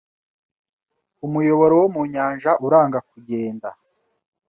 Umuyoboro wo mu nyanja uranga kugenda